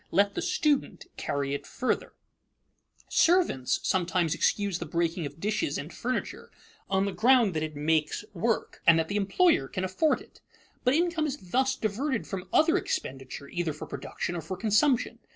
Let the student carry it further. [Sidenote: The seen and the unseen] Servants sometimes excuse the breaking of dishes and furniture on the ground that it makes work, and that the employer can afford it. But income is thus diverted from other expenditure, either for production or for consumption.